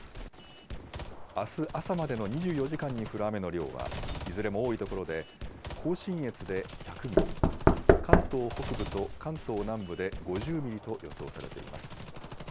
あす朝までの２４時間に降る雨の量はいずれも多い所で、甲信越で１００ミリ、関東北部と関東南部で５０ミリと予想されています。